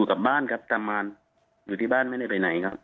คุณปฏิทธิ์ได้ยินนะคะค่ะอ่าทำไมคุณปฏิทธิ์คิดว่าเขาตั้งใจจะฆ่าทั้งครอบครัวค่ะ